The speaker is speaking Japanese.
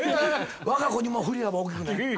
わが子にも「振り幅大きく」って。